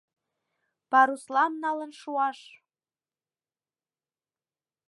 — Паруслам налын шуаш!